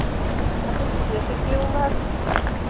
А тый шкеже кӧ улат?